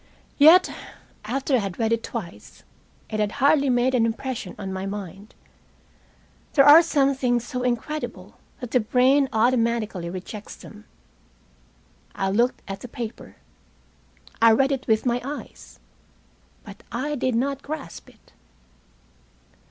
Yet, after I had read it twice, it had hardly made an impression on my mind. There are some things so incredible that the brain automatically rejects them. I looked at the paper. I read it with my eyes. But I did not grasp it.